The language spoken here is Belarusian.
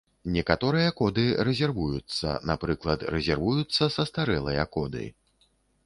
Некаторыя коды рэзервуюцца, напрыклад, рэзервуюцца састарэлыя коды.